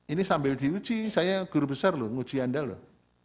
ini sambil diuji saya guru besar loh nguji anda loh